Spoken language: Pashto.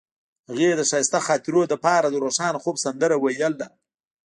هغې د ښایسته خاطرو لپاره د روښانه خوب سندره ویله.